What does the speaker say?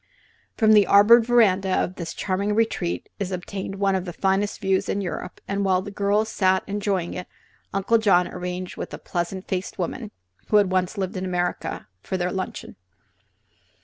From the arbored veranda of this charming retreat is obtained one of the finest views in Europe, and while the girls sat enjoying it Uncle John arranged with a pleasant faced woman (who had once lived in America) for their luncheon.